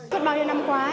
trước bao nhiêu năm qua